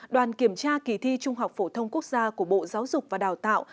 hai kỳ thi trung học phổ thông quốc gia của bộ giáo dục và đào tạo